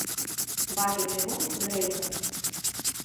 Бачу чыгунку з рэйкамі.